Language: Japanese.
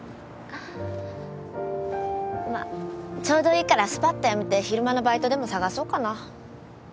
まっちょうどいいからすぱっと辞めて昼間のバイトでも探そうかな。